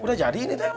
udah jadi ini teh